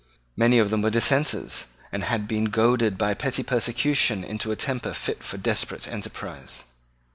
Many of them were Dissenters, and had been goaded by petty persecution into a temper fit for desperate enterprise.